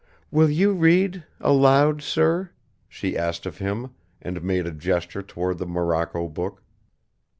"Will you read, aloud, sir?" she asked of him, and made a gesture toward the morocco book.